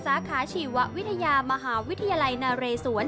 สาขาชีววิทยามหาวิทยาลัยนาเรศวร